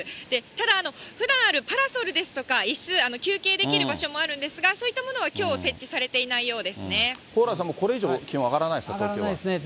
ただ、ふだんあるパラソルですとか、いす、休憩できる場所もあるんですが、そういったものはきょう、蓬莱さん、もうこれ以上、気温上がらないですか、上がらないですね。